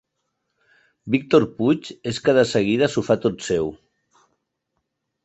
Víctor Puig és que de seguida s'ho fa tot seu.